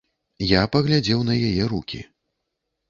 Я паглядзеў на яе рукі.